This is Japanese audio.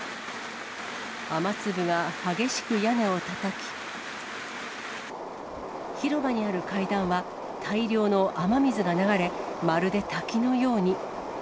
雨粒が激しく屋根をたたき、広場にある階段は、大量の雨水が流れ、まるで滝のように。